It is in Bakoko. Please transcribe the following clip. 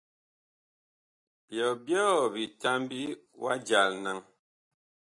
Byɔbyɔɔ bitambi wa jal naŋ ?